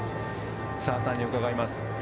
眞田さんに伺います。